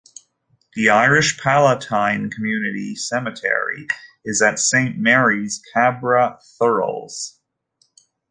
The Irish Pallottine Community Cemetery is at Saint Mary's, Cabra, Thurles.